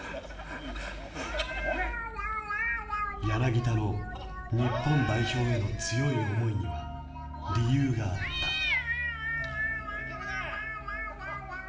柳田の日本代表への強い思いには理由があった。